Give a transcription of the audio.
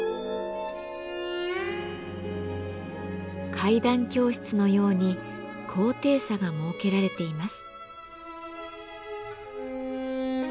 階段教室のように高低差が設けられています。